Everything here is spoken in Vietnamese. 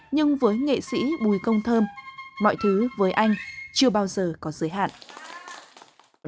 nhưng với nghệ sĩ bùi công thơm mọi thứ với anh chưa bao giờ có giới hạn